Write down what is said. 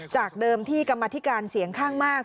จากเดิมที่กรรมธิการเสียงข้างมาก